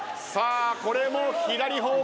これも左方向。